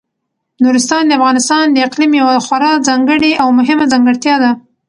نورستان د افغانستان د اقلیم یوه خورا ځانګړې او مهمه ځانګړتیا ده.